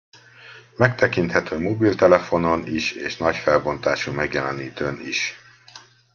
Megtekinthető mobiltelefonon is és nagy felbontású megjelenítőn is.